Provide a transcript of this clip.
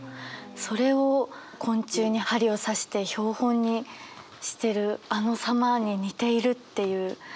それを昆虫に針を刺して標本にしてるあの様に似ているっていう。